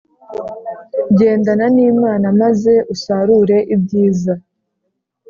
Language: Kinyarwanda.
Gendana n Imana maze usarure ibyiza